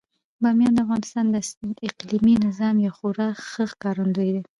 بامیان د افغانستان د اقلیمي نظام یو خورا ښه ښکارندوی دی.